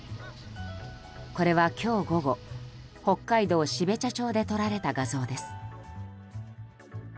これは、今日午後北海道標茶町で撮られた画像です。